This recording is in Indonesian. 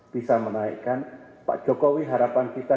bisa menaikkan pak jokowi harapan kita